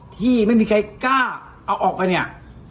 ที่ไม่มีใครกล้าเอาออกไปเนี่ย